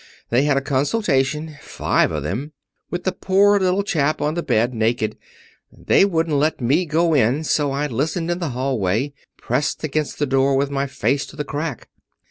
They had a consultation five of them with the poor little chap on the bed, naked. They wouldn't let me in, so I listened in the hallway, pressed against the door with my face to the crack.